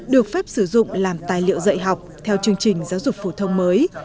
được phép sử dụng làm tài liệu dạy học theo chương trình giáo dục phổ thông mới